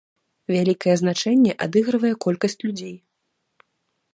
Вялікае значэнне адыгрывае колькасць людзей.